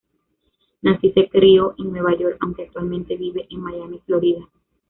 Nació y se crio en Nueva York, aunque actualmente vive en Miami, Florida.